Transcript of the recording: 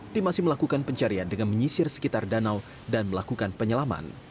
tim masih melakukan pencarian dengan menyisir sekitar danau dan melakukan penyelaman